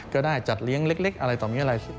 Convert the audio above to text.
ก็ได้จัดเลี้ยงเล็กอะไรต่อมีอะไร